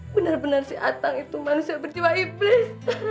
benar benar si atang itu manusia berjiwa iblis